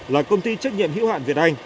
là công ty trách nhiệm hữu hạn việt anh